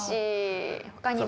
他にも。